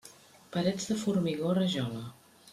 Parets de formigó o rajola.